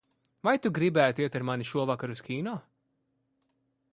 Vai tu gribētu iet ar mani šovakar uz kino?